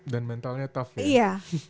dan mentalnya tough ya iya